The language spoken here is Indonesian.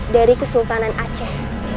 dari kesultanan aceh